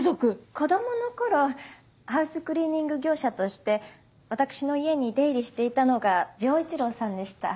子供の頃ハウスクリーニング業者として私の家に出入りしていたのが丈一郎さんでした。